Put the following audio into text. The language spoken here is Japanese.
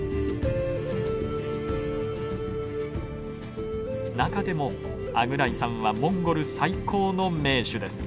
中でもアグライさんはモンゴル最高の名手です。